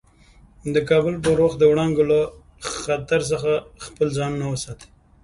د کار پر وخت د وړانګو له خطر څخه خپل ځانونه وساتي.